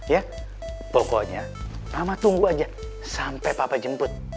ya pokoknya mama tunggu aja sampai papa jemput